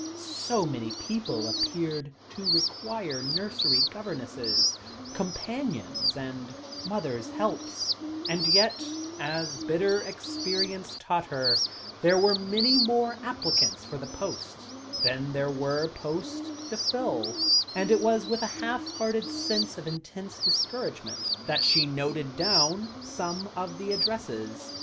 So many people appeared to require nursery governesses, companions, and mothers' helps; and yet, as bitter experience taught her, there were many more applicants for the posts than there were posts to fill; and it was with a half hearted sense of intense discouragement that she noted down some of the addresses.